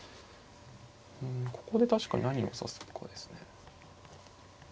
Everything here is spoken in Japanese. うんここで確かに何を指すかですね。